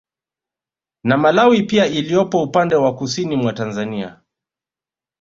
Na malawi pia iliyopo upande wa Kusini mwa Tanzania